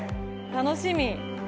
楽しみ。